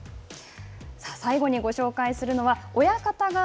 さあ、最後にご紹介するのは親方が